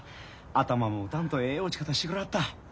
頭も打たんとええ落ち方してくれはった。